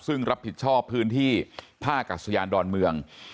ซึ่งรับผิดชอบพื้นที่ท่ากัศยานดอนเมือง